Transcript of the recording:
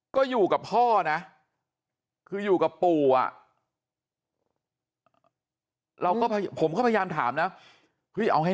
ก็อยู่กับพ่อนะคืออยู่กับปู่อ่ะเราก็ผมก็พยายามถามนะเฮ้ยเอาให้